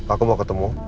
aku mau ketemu